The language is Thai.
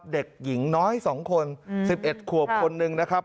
เด็กหญิงน้อย๒คน๑๑ขวบคนหนึ่งนะครับ